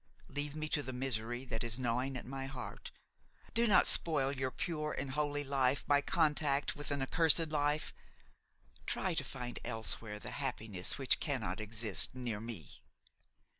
Now leave me to the misery that is gnawing at my heart; do not spoil your pure and holy life by contact with an accursed life; try to find elsewhere the happiness which cannot exist near me."